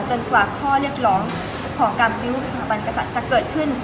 กว่าข้อเรียกร้องของการปฏิรูปสถาบันกษัตริย์จะเกิดขึ้น